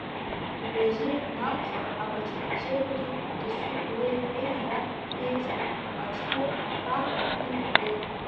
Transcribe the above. Убри азыҳәан акәхап ҳабацәа изырҳәозгьы Дасу илеи иҳәеи иара иеиԥшхоит, Ацгәы аԥа аҳәынаԥ акуеит!